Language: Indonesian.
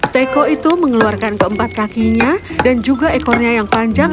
teko itu mengeluarkan keempat kakinya dan juga ekornya yang panjang